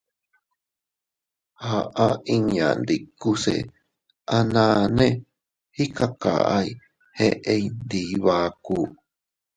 Aʼa inña ndikuse a naane ikakay eʼey ndi Iybaku.